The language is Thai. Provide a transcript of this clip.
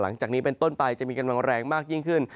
หลังจากนี้เป็นต้นไปจะมีกำลังแรงมากยิ่งขึ้น